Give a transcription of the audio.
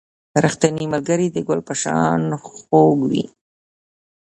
• ریښتینی ملګری د ګل په شان خوږ وي.